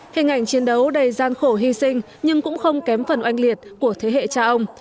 hình ảnh chiến đấu đầy gian khổ hy sinh nhưng cũng không kém phần oanh liệt của thế hệ cha ông